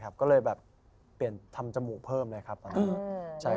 เปลี่ยนทำจมูกเพิ่มเลย